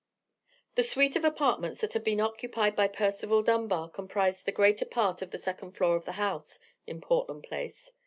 The suite of apartments that had been occupied by Percival Dunbar comprised the greater part of the second floor of the house in Portland Place.